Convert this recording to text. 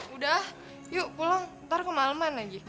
udah yuk pulang ntar kemaleman lagi